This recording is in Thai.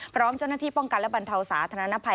พร้อมเจ้าหน้าที่ป้องกันและบรรเทาสาธารณภัย